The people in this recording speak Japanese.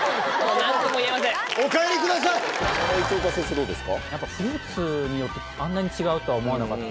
どうですか？